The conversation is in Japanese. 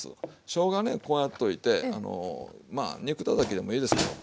しょうがねこうやっといてまあ肉たたきでもいいですけども。